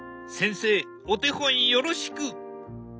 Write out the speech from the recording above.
先生お手本よろしく！